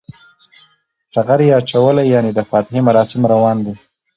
ټغر یی اچولی یعنی د فاتحی مراسم روان دی